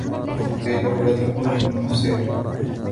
أَوْفُوا الْكَيْلَ وَلَا تَكُونُوا مِنَ الْمُخْسِرِينَ